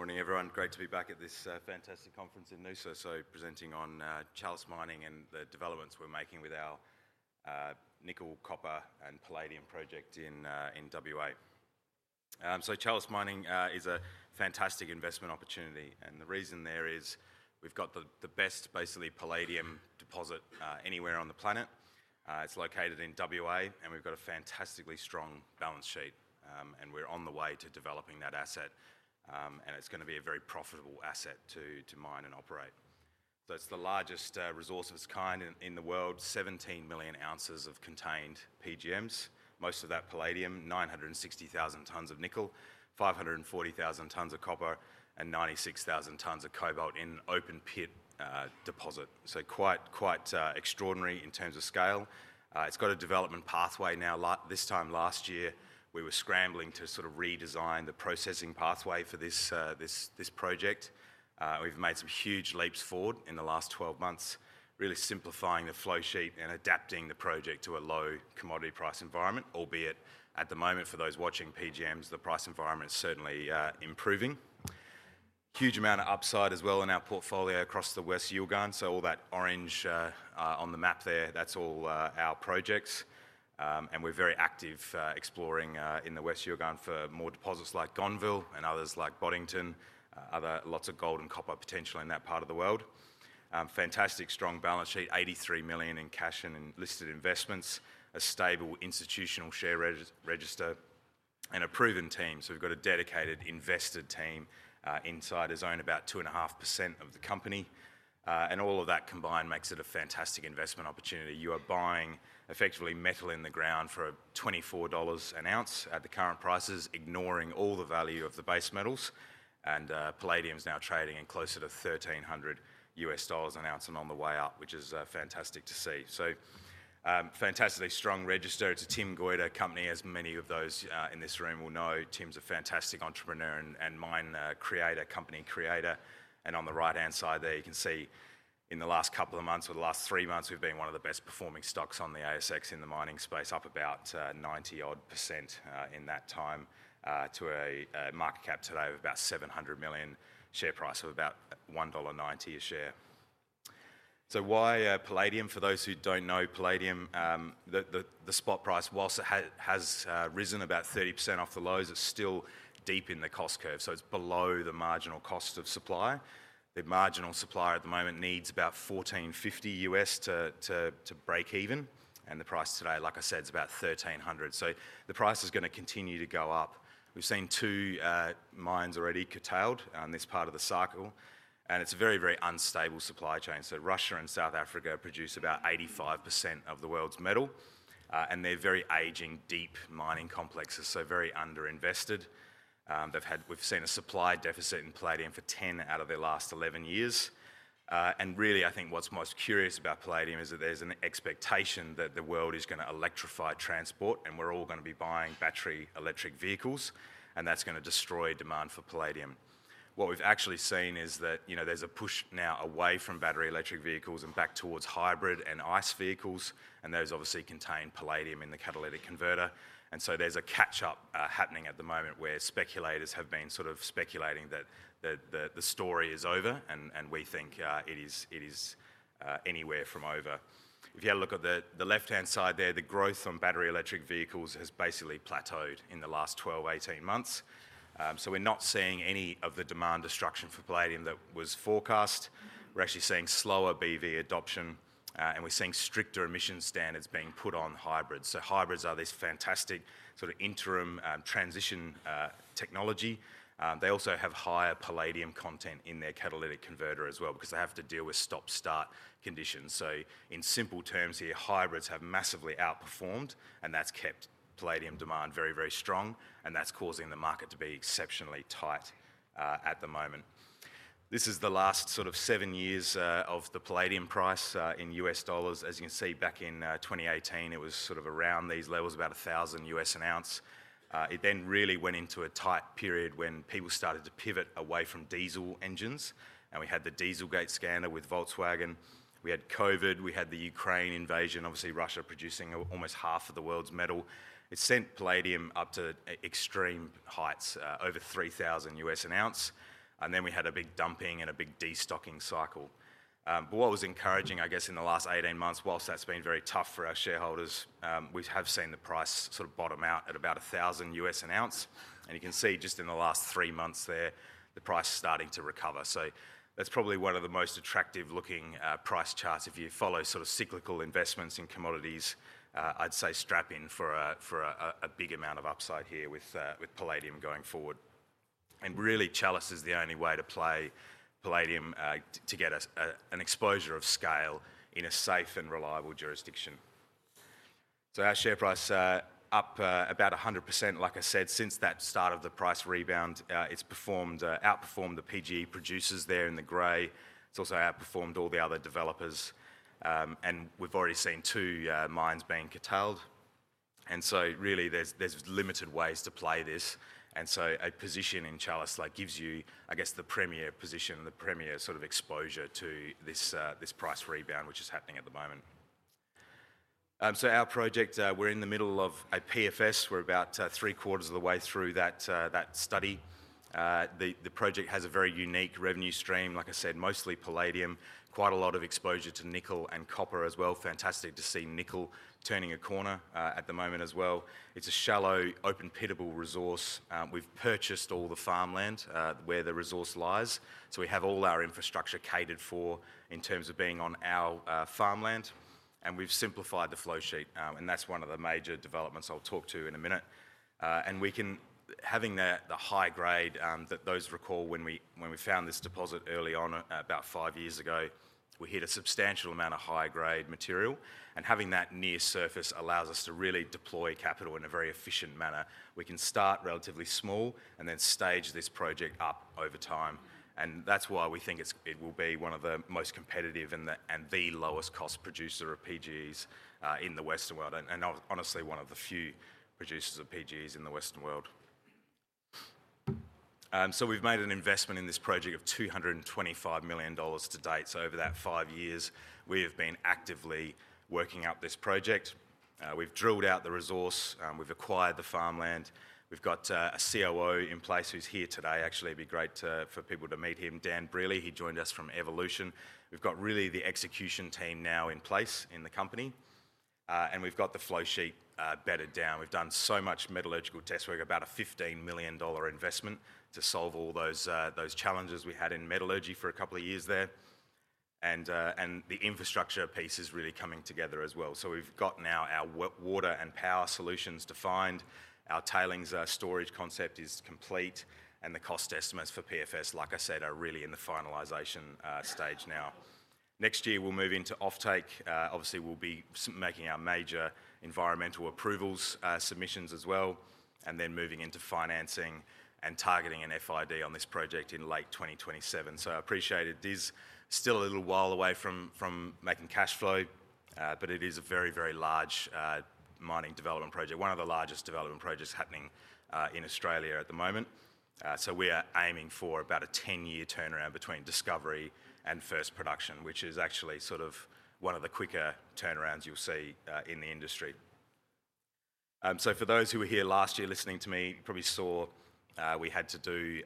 Good morning, everyone. Great to be back at this fantastic conference in Noosa. Presenting on Chalice Mining and the developments we're making with our Nickel, Copper, and Palladium project in WA. Chalice Mining is a fantastic investment opportunity, and the reason there is we've got the best, basically, Palladium deposit anywhere on the planet. It's located in WA, and we've got a fantastically strong balance sheet. We're on the way to developing that asset. It's going to be a very profitable asset to mine and operate. It's the largest resource of its kind in the world, 17 million oz of contained PGMs. Most of that Palladium, 960,000 tons of Nickel, 540,000 tons of Copper, and 96,000 tons of cobalt in an open pit deposit. Quite extraordinary in terms of scale. It's got a development pathway now. This time last year, we were scrambling to sort of redesign the processing pathway for this project. We've made some huge leaps forward in the last 12 months, really simplifying the flow sheet and adapting the project to a low commodity price environment, albeit at the moment for those watching PGMs, the price environment is certainly improving. Huge amount of upside as well in our portfolio across the West Yilgarn. All that orange on the map there, that's all our projects. We're very active, exploring in the West Yilgarn for more deposits like Gonville and others like Boddington, other lots of gold and Copper potential in that part of the world. Fantastic strong balance sheet, 83 million in cash and listed investments, a stable institutional share register, and a proven team. We've got a dedicated invested team, insiders own about 2.5% of the company. All of that combined makes it a fantastic investment opportunity. You are buying effectively metal in the ground for 24 dollars an oz at the current prices, ignoring all the value of the base metals. Palladium's now trading in closer to $1,300 an oz and on the way up, which is fantastic to see. Fantastically strong register. It's a Tim Goyder company, as many of those in this room will know. Tim's a fantastic entrepreneur and mine creator, company creator. On the right-hand side there, you can see in the last couple of months or the last three months, we've been one of the best performing stocks on the ASX in the mining space, up about 90% in that time, to a market cap today of about 700 million, share price of about 1.90 dollar a share. Why Palladium? For those who don't know, Palladium, the spot price, whilst it has risen about 30% off the lows, is still deep in the cost curve. It's below the marginal cost of supply. The marginal supplier at the moment needs about $1,450 to break even. The price today, like I said, is about $1,300. The price is going to continue to go up. We've seen two mines already curtailed in this part of the cycle, and it's a very unstable supply chain. Russia and South Africa produce about 85% of the world's metal, and they're very aging, deep mining complexes, so very underinvested. We've seen a supply deficit in Palladium for 10 out of the last 11 years. I think what's most curious about Palladium is that there's an expectation that the world is going to electrify transport, and we're all going to be buying battery electric vehicles, and that's going to destroy demand for Palladium. What we've actually seen is that there's a push now away from battery electric vehicles and back towards hybrid and ICE vehicles, and those obviously contain Palladium in the catalytic converter. There's a catch-up happening at the moment where speculators have been sort of speculating that the story is over, and we think it is anywhere from over. If you had a look at the left-hand side there, the growth on battery electric vehicles has basically plateaued in the last 12-18 months. We're not seeing any of the demand destruction for Palladium that was forecast. We're actually seeing slower BEV adoption, and we're seeing stricter emissions standards being put on hybrids. Hybrids are this fantastic sort of interim transition technology. They also have higher Palladium content in their catalytic converter as well because they have to deal with stop-start conditions. In simple terms here, hybrids have massively outperformed, and that's kept Palladium demand very strong, and that's causing the market to be exceptionally tight at the moment. This is the last 7 years of the Palladium price in US dollars. As you can see, back in 2018, it was sort of around these levels, about $1,000 an oz. It then really went into a tight period when people started to pivot away from diesel engines, and we had the Dieselgate scandal with Volkswagen. We had COVID, we had the Ukraine invasion, obviously Russia producing almost half of the world's metal. It sent Palladium up to extreme heights, over $3,000 an oz. Then we had a big dumping and a big destocking cycle. What was encouraging, I guess, in the last 18 months, whilst that's been very tough for our shareholders, we have seen the price sort of bottom out at about $1,000 an oz. You can see just in the last 3 months there, the price is starting to recover. That's probably one of the most attractive-looking price charts if you follow sort of cyclical investments in commodities. I'd say strap in for a big amount of upside here with Palladium going forward. Really, Chalice is the only way to play Palladium, to get an exposure of scale in a safe and reliable jurisdiction. Our share price, up about 100%, like I said, since that start of the price rebound, it's performed, outperformed the PGM producers there in the gray. It's also outperformed all the other developers. We've already seen two mines being curtailed. There are limited ways to play this. A position in Chalice, like, gives you, I guess, the premier position, the premier sort of exposure to this price rebound, which is happening at the moment. Our project, we're in the middle of a PFS. We're about three quarters of the way through that study. The project has a very unique revenue stream, like I said, mostly Palladium, quite a lot of exposure to Nickel and Copper as well. Fantastic to see Nickel turning a corner at the moment as well. It's a shallow, open pitable resource. We've purchased all the farmland where the resource lies. We have all our infrastructure catered for in terms of being on our farmland. We've simplified the flow sheet, and that's one of the major developments I'll talk to in a minute. Having the high grade, recall when we found this deposit early on, about 5 years ago, we hit a substantial amount of high-grade material. Having that near surface allows us to really deploy capital in a very efficient manner. We can start relatively small and then stage this project up over time. That's why we think it will be one of the most competitive and the lowest cost producer of PGMs in the Western world. I'm honestly one of the few producers of PGMs in the Western world. We've made an investment in this project of 225 million dollars to date. Over that 5 years, we have been actively working up this project. We've drilled out the resource. We've acquired the farmland. We've got a COO in place who's here today. Actually, it'd be great for people to meet him, Dan Brearley. He joined us from Evolution Mining. We've got really the execution team now in place in the company, and we've got the flow sheet bedded down. We've done so much metallurgical test work, about a 15 million dollar investment to solve all those challenges we had in metallurgy for a couple of years there. The infrastructure piece is really coming together as well. We've got now our wet water and power solutions defined. Our tailings storage concept is complete, and the cost estimates for the PFS, like I said, are really in the finalization stage now. Next year, we'll move into offtake. Obviously, we'll be making our major environmental approvals submissions as well, and then moving into financing and targeting an FID on this project in late 2027. I appreciate it is still a little while away from making cash flow, but it is a very, very large mining development project, one of the largest development projects happening in Australia at the moment. We are aiming for about a 10-year turnaround between discovery and first production, which is actually sort of one of the quicker turnarounds you'll see in the industry. For those who were here last year listening to me, you probably saw we had to do,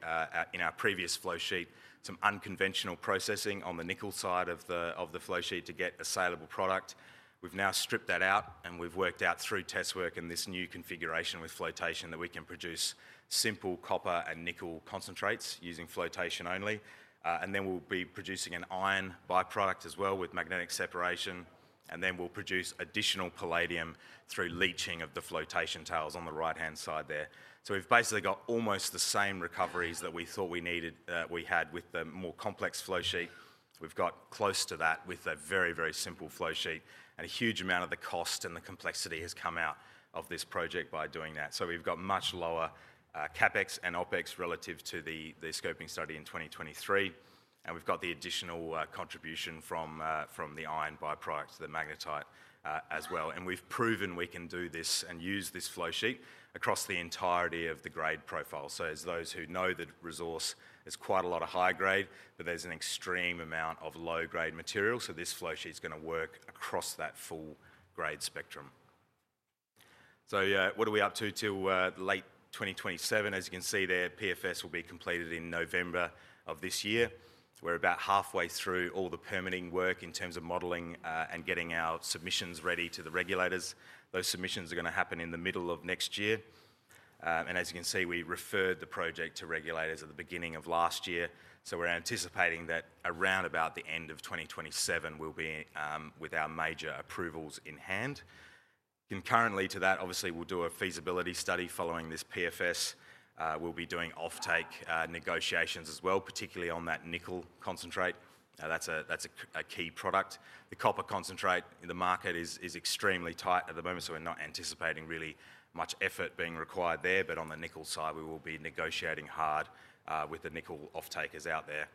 in our previous flow sheet, some unconventional processing on the Nickel side of the flow sheet to get a saleable product. We've now stripped that out, and we've worked out through test work in this new configuration with flotation that we can produce simple Copper and Nickel concentrates using flotation only. We'll be producing an iron byproduct as well with magnetic separation. Then we'll produce additional Palladium through leaching of the flotation tails on the right-hand side there. We've basically got almost the same recoveries that we thought we needed, that we had with the more complex flow sheet. We've got close to that with a very, very simple flow sheet, and a huge amount of the cost and the complexity has come out of this project by doing that. We've got much lower CapEx and OpEx relative to the scoping study in 2023, and we've got the additional contribution from the iron byproduct, the magnetite, as well. We've proven we can do this and use this flow sheet across the entirety of the grade profile. As those who know the resource, there's quite a lot of high grade, but there's an extreme amount of low-grade material. This flow sheet is going to work across that full grade spectrum. What are we up to till late 2027? As you can see there, the PFS will be completed in November of this year. We're about halfway through all the permitting work in terms of modeling and getting our submissions ready to the regulators. Those submissions are going to happen in the middle of next year. As you can see, we referred the project to regulators at the beginning of last year. We're anticipating that around the end of 2027, we'll be with our major approvals in hand. Concurrently to that, obviously, we'll do a feasibility study following this PFS. We'll be doing offtake negotiations as well, particularly on that Nickel concentrate. Now that's a key product. The Copper concentrate in the market is extremely tight at the moment, so we're not anticipating really much effort being required there. On the Nickel side, we will be negotiating hard with the Nickel off-takers out there.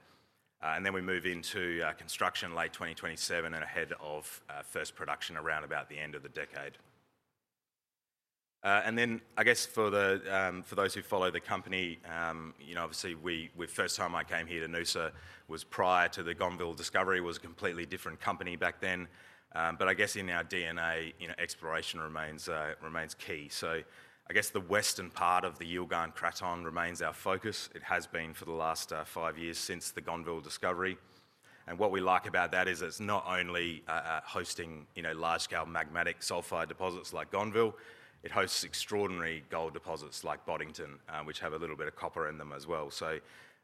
We move into construction late 2027 and ahead of first production around the end of the decade. For those who follow the company, the first time I came here to Nusa was prior to the Gonville discovery. It was a completely different company back then. In our DNA, exploration remains key. The western part of the Yilgarn Craton remains our focus. It has been for the last 5 years since the Gonville discovery. What we like about that is it's not only hosting large-scale magmatic sulfide deposits like Gonville, it hosts extraordinary gold deposits like Boddington, which have a little bit of Copper in them as well.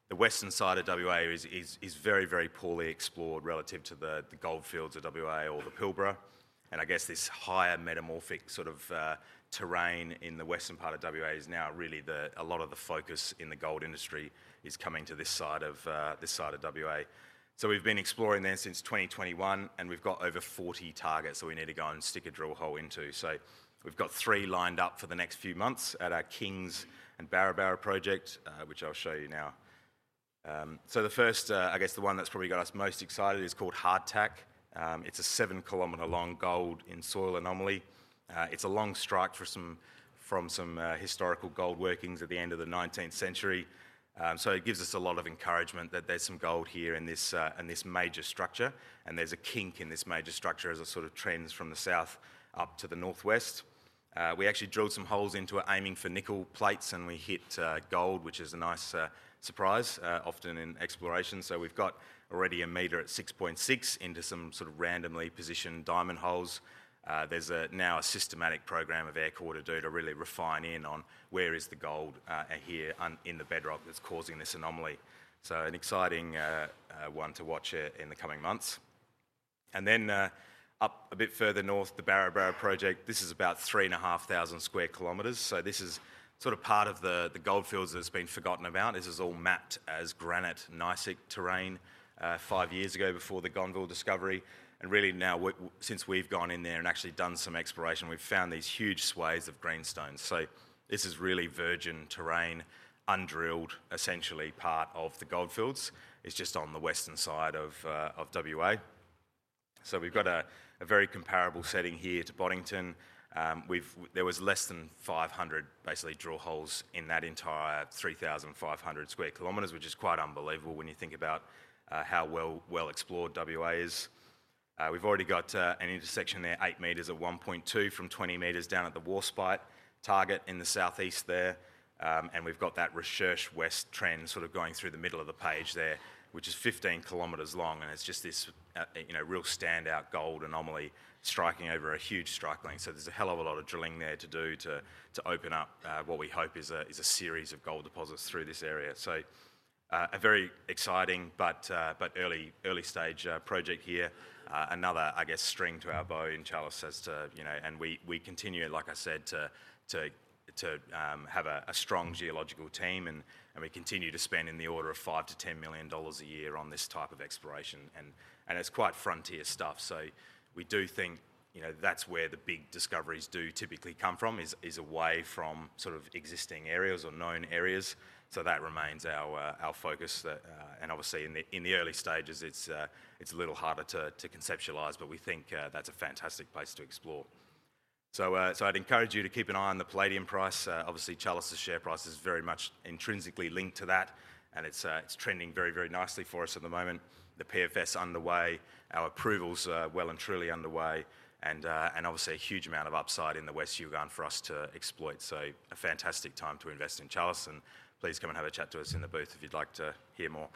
The western side of WA is very, very poorly explored relative to the gold fields of WA or the Pilbara. I guess this higher metamorphic sort of terrain in the western part of WA is now really a lot of the focus in the gold industry is coming to this side of WA. We've been exploring there since 2021, and we've got over 40 targets that we need to go and stick a drill hole into. We've got 3 lined up for the next few months at our Kings and Barrabarra project, which I'll show you now. The first, I guess the one that's probably got us most excited is called Hardtack. It's a 7-kilometer long gold in soil anomaly. It's along strike from some historical gold workings at the end of the 19th century. It gives us a lot of encouragement that there's some gold here in this major structure. There's a kink in this major structure as it sort of trends from the south up to the northwest. We actually drilled some holes into it aiming for Nickel plates, and we hit gold, which is a nice surprise, often in exploration. We've got already a meter at 6.6 into some sort of randomly positioned diamond holes. There's now a systematic program of air core to do to really refine in on where is the gold, and here in the bedrock that's causing this anomaly. An exciting one to watch in the coming months. Up a bit further north, the Barrabarra project, this is about 3,500 sq km. This is sort of part of the gold fields that's been forgotten about. This is all mapped as granite and gneissic terrain, 5 years ago before the Gonville discovery. Really now, since we've gone in there and actually done some exploration, we've found these huge swathes of greenstone. This is really virgin terrain, undrilled, essentially part of the gold fields. It's just on the western side of WA. We've got a very comparable setting here to Boddington. There was less than 500 basically drill holes in that entire 3,500 sq km, which is quite unbelievable when you think about how well explored WA is. We've already got an intersection there, 8m at 1.2 from 20m at the Warspite target in the southeast there. We've got that research west trend sort of going through the middle of the page there, which is 15 km long, and it's just this real standout gold anomaly striking over a huge strike length. There's a hell of a lot of drilling there to do to open up what we hope is a series of gold deposits through this area. A very exciting but early-stage project here. Another, I guess, string to our bow in Chalice as to, you know, and we continue, like I said, to have a strong geological team, and we continue to spend in the order of 5-10 million dollars a year on this type of exploration, and it's quite frontier stuff. We do think that's where the big discoveries do typically come from, away from sort of existing areas or known areas. That remains our focus, and obviously in the early stages, it's a little harder to conceptualize, but we think that's a fantastic place to explore. I'd encourage you to keep an eye on the Palladium price. Obviously, Chalice's share price is very much intrinsically linked to that, and it's trending very, very nicely for us at the moment. The PFS underway, our approvals well and truly underway, and obviously a huge amount of upside in the West Yilgarn for us to exploit. A fantastic time to invest in Chalice, and please come and have a chat to us in the booth if you'd like to hear more.